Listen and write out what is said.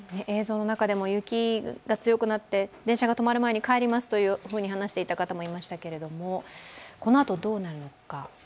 映像の中でも雪が強くなって電車が止まる前に帰りますと話していた方もいましたけど、このあと、どうなるのか。